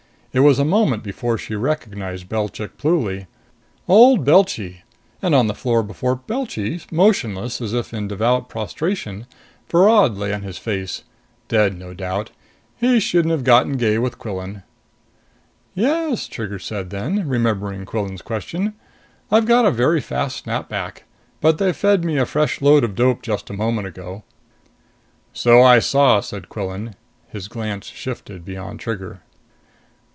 It was a moment before she recognized Belchik Pluly. Old Belchy! And on the floor before Belchy, motionless as if in devout prostration, Virod lay on his face. Dead, no doubt. He shouldn't have got gay with Quillan. "Yes," Trigger said then, remembering Quillan's question. "I've got a very fast snap back but they fed me a fresh load of dope just a moment ago." "So I saw," said Quillan. His glance shifted beyond Trigger.